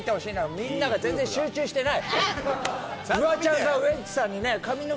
みんなが全然集中してない。